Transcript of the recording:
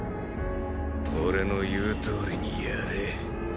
「俺の言うとおりにやれ」。